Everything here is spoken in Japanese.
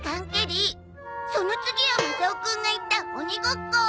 その次はマサオくんが言った鬼ごっこ。